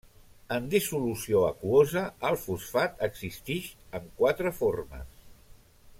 En dissolució aquosa, el fosfat existix en quatre formes.